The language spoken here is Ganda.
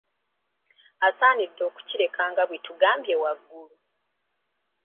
Asaanidde okukireka nga bwe tugambye waggulu.